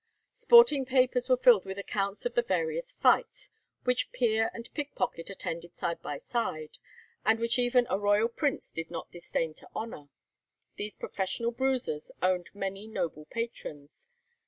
Sporting papers were filled with accounts of the various fights, which peer and pickpocket attended side by side, and which even a Royal Prince did not disdain to honour. These professional bruisers owned many noble patrons.